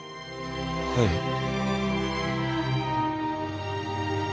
はい。